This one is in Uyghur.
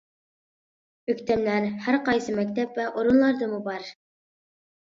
ئۆكتەملەر ھەر قايسى مەكتەپ ۋە ئورۇنلاردىمۇ بار.